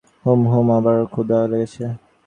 হুম, হুম, আমারও ক্ষুধা লেগেছে।